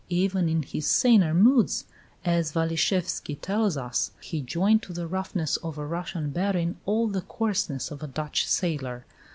Even in his saner moods, as Waliszewski tells us, he "joined to the roughness of a Russian barin all the coarseness of a Dutch sailor."